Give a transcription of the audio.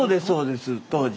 そうですね。